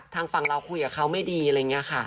ทางฝั่งเราคุยกับเขาไม่ดีอะไรอย่างนี้ค่ะ